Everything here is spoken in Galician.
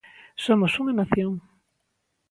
'Somos unha nación'.